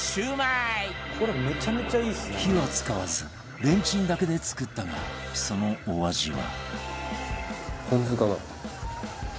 火を使わずレンチンだけで作ったがそのお味は